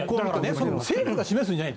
政府が示すんじゃない。